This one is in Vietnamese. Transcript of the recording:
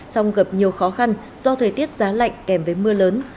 song gặp nhiều khó khăn do thời tiết giá lạnh kèm với mưa lớn